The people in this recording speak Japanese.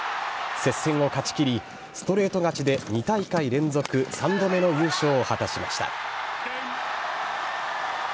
接戦を勝ちきり、ストレート勝ちで２大会連続３度目の優勝を果たしました。